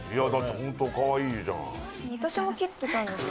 ホントかわいいじゃない。